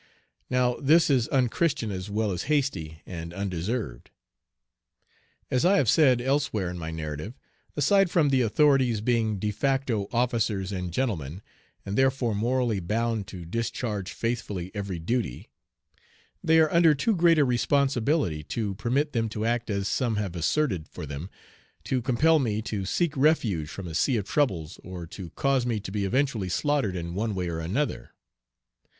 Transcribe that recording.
Now this is unchristian as well as hasty and undeserved. As I have said elsewhere in my narrative, aside from the authorities being de facto "officers and gentlemen," and therefore morally bound to discharge faithfully every duty, they are under too great a responsibility to permit them to act as some have asserted for them, to compel me "to seek refuge from a sea of troubles," or to cause me to "be eventually slaughtered in one way or another."